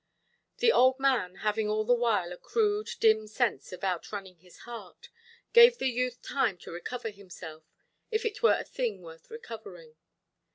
The old man, having all the while a crude, dim sense of outrunning his heart, gave the youth time to recover himself, if it were a thing worth recovering.